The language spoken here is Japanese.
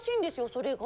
それが。